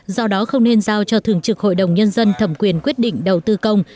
do đó không nên giao cho thường trực hội đồng nhân dân thẩm quyền quyết định đầu tư công